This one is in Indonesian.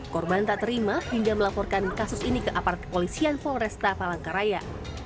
korban tak terima hingga melaporkan kasus ini ke apart kepolisian polresta palangkaraya